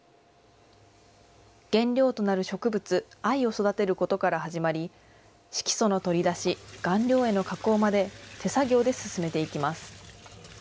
原料となる植物、藍を育てることから始まり、色素の取り出し、顔料への加工まで手作業で進めていきます。